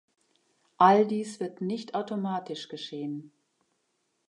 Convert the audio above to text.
All dies wird nicht automatisch geschehen.